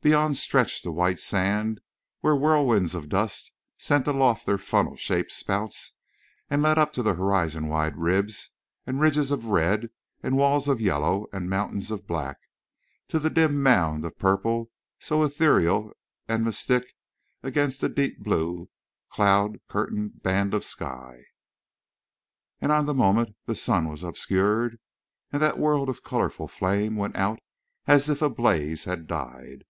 Beyond stretched the white sand, where whirlwinds of dust sent aloft their funnel shaped spouts; and it led up to the horizon wide ribs and ridges of red and walls of yellow and mountains of black, to the dim mound of purple so ethereal and mystic against the deep blue cloud curtained band of sky. And on the moment the sun was obscured and that world of colorful flame went out, as if a blaze had died.